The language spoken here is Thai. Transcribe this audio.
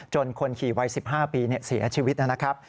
คนขี่วัย๑๕ปีเสียชีวิตนะครับ